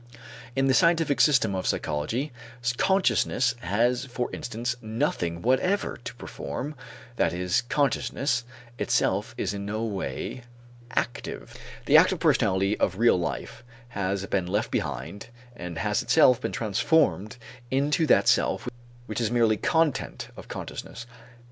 In the scientific system of psychology, consciousness has for instance nothing whatever to perform, that is, consciousness itself is in no way active. The active personality of real life has been left behind and has itself been transformed into that self which is merely content of consciousness.